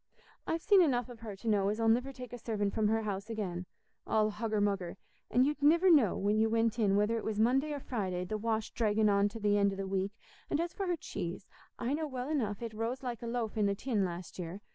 I've seen enough of her to know as I'll niver take a servant from her house again—all hugger mugger—and you'd niver know, when you went in, whether it was Monday or Friday, the wash draggin' on to th' end o' the week; and as for her cheese, I know well enough it rose like a loaf in a tin last year.